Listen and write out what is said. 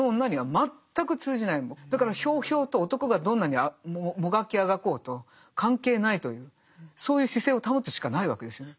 だからひょうひょうと男がどんなにもがきあがこうと関係ないというそういう姿勢を保つしかないわけですよね。